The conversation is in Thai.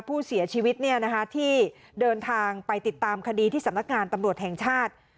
ผู้เสียชีวิตที่เดินทางไปติดตามคดีที่สำนักงานตำรวจแห่งชาติ